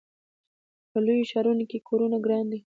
په لویو ښارونو کې کورونه ګران دي.